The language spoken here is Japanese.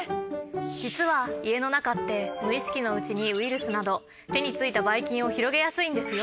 実は家の中って無意識のうちにウイルスなど手についたバイ菌を広げやすいんですよ。